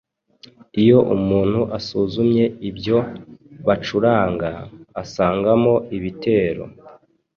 Iyo umuntu asuzumye ibyo bacuranga, asangamo ibitero,